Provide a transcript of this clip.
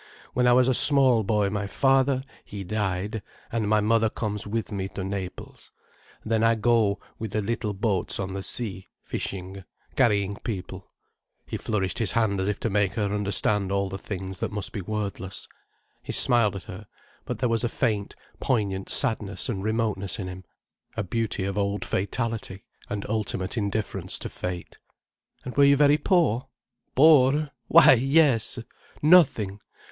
When I was a small boy my father, he died, and my mother comes with me to Naples. Then I go with the little boats on the sea—fishing, carrying people—" He flourished his hand as if to make her understand all the things that must be wordless. He smiled at her—but there was a faint, poignant sadness and remoteness in him, a beauty of old fatality, and ultimate indifference to fate. "And were you very poor?" "Poor?—why yes! Nothing.